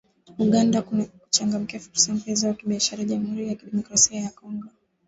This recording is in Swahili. Uganda kuchangamkia fursa mpya za kibiashara Jamhuri ya Kidemokrasia ya Kongo